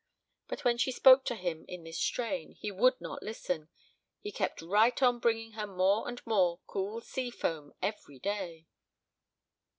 But when she spoke to him in this strain, he would not listen; he kept right on bringing her more and more cool sea foam every day.